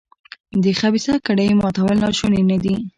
د خبیثه کړۍ ماتول ناشوني نه دي.